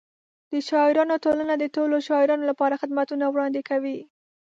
د شاعرانو ټولنه د ټولو شاعرانو لپاره خدمتونه وړاندې کوي.